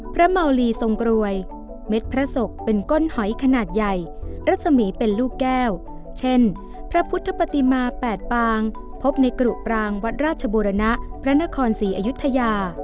เมาลีทรงกรวยเม็ดพระศกเป็นก้นหอยขนาดใหญ่รัศมีเป็นลูกแก้วเช่นพระพุทธปฏิมา๘ปางพบในกรุปรางวัดราชบุรณะพระนครศรีอยุธยา